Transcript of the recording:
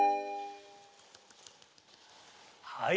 はい。